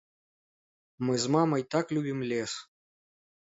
Мы з мамай так любім лес.